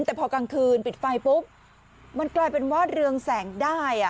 แต่พอกลางคืนปิดไฟปุ๊บมันกลายเป็นว่าเรืองแสงได้